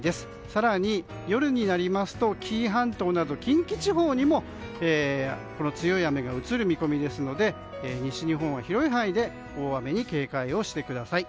更に、夜になると紀伊半島など近畿地方にも強い雨が映る見込みですので西日本は広い範囲で大雨に警戒をしてください。